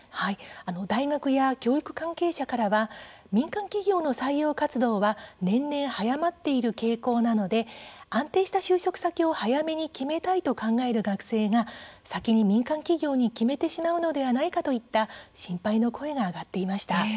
大学や教育関係者からは民間企業の採用活動は年々早まっている傾向なので安定した就職先を早めに決めたいと考える学生が先に民間企業に決めてしまうのではないかといった心配の声が上がっていました。